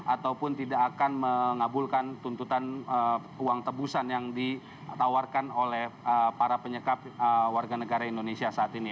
ataupun tidak akan mengabulkan tuntutan uang tebusan yang ditawarkan oleh para penyekap warga negara indonesia saat ini